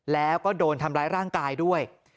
แล้วก็โดนทำร้ายร่างกายด้วย